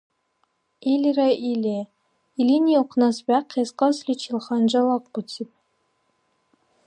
Илира или, илини ухънас бяхъес кьасличил ханжал ахъбуциб.